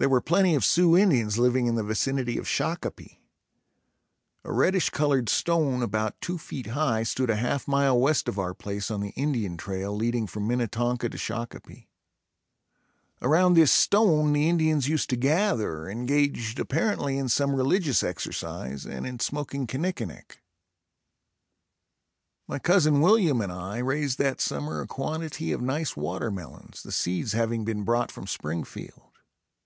There were plenty of Sioux Indians living in the vicinity of Shakopee. A reddish colored stone, about two feet high stood a half mile west of our place on the Indian trail leading from Minnetonka to Shakopee. Around this stone the Indians used to gather, engaged apparently in some religious exercise and in smoking kinni kinic. My cousin William and I raised that summer a quantity of nice watermelons, the seeds having been brought from Springfield.